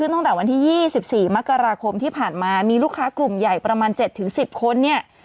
ตั้งแต่วันที่๒๔มกราคมที่ผ่านมามีลูกค้ากลุ่มใหญ่ประมาณ๗๑๐คนเนี่ย